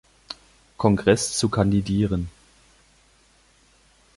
Kongress zu kandidieren.